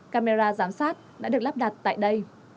camera giám sát đã được lắp đặt tại đây